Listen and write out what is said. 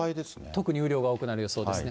特に雨量が多くなる予想ですね。